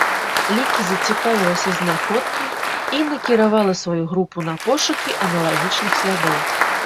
Лікі зацікавілася знаходкай і накіравала сваю групу на пошукі аналагічных слядоў.